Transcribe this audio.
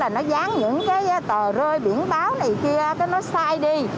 nó dán những cái tờ rơi biển báo này kia nó sai đi